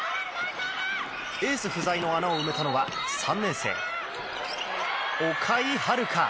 エース不在の穴を埋めたのは３年生・岡井遥香。